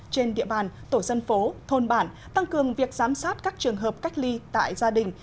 trên địa bàn tổ dân phố thôn bản tăng cường việc giám sát các trường hợp cách ly tại gia đình